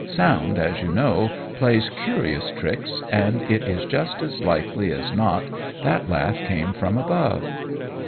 Sound, as you know, plays curious tricks, and it is just as likely as not that laugh came from above.'